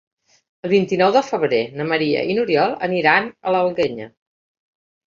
El vint-i-nou de febrer na Maria i n'Oriol aniran a l'Alguenya.